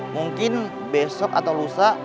mungkin besok atau lusa